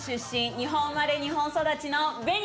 日本生まれ日本育ちのベニです！